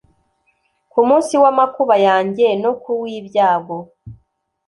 Ku munsi w amakuba yanjye no ku w ibyago